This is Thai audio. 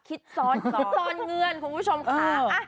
คิดซ้อนเงื่อนของผู้ชมค่ะ